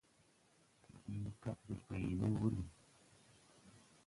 Ii kag de puy ne wūr.